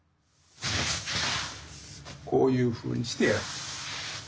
こういうふうにしてやる。